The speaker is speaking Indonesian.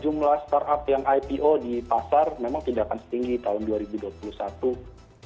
jumlah startup yang ipo di pasar memang tidak akan setinggi tahun dua ribu dua puluh satu